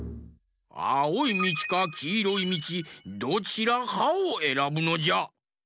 あおいみちかきいろいみちどちらかをえらぶのじゃ。